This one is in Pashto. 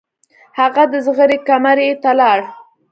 هغه د زغرې کمرې ته لاړ.